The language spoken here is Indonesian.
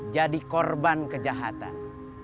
jadi korban kejahatan